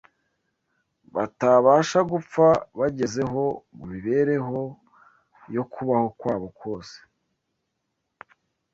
batabasha gupfa bagezeho mu mibereho yo kubaho kwabo kose